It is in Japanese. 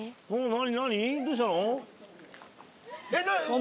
何？